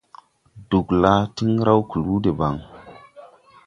Ɗugla tiŋ raw kluu debaŋ.